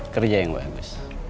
kerja yang bagus